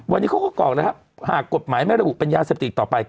วันนี้เขาก็กรอกแล้วครับหากกฎหมายไม่ระบุปัญญาเศรษฐีอีกต่อไป